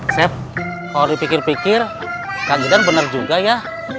sep kalau dipikir pikir kak gitan bener juga ya